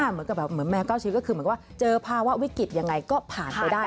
เหมือนกับแบบเหมือนแมว๙ชีวิตก็คือเหมือนว่าเจอภาวะวิกฤตยังไงก็ผ่านไปได้